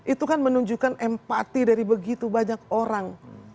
itu kan menunjukkan empati dari begitu banyak orang